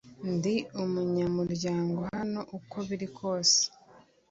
Ndi umunyamuryango hano uko biri kose